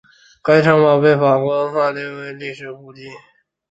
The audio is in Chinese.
该城堡被法国文化部列为法国历史古迹。